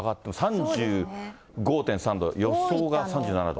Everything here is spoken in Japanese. ３５．３度、予想が３７度。